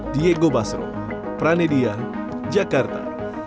diego basro pranedia jakarta